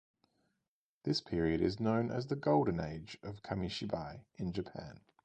This period is known as the "Golden Age" of kamishibai in Japan.